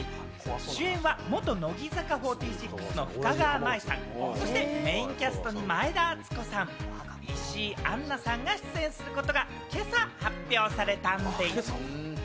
主演は元乃木坂４６の深川麻衣さん、メインキャストに前田敦子さん、石井杏奈さんが出演することが今朝発表されたんでぃす。